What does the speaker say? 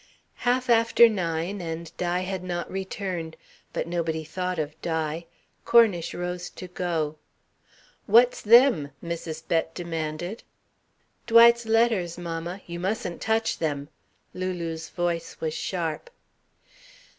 Half after nine and Di had not returned. But nobody thought of Di. Cornish rose to go. "What's them?" Mrs. Bett demanded. "Dwight's letters, mamma. You mustn't touch them!" Lulu's voice was sharp.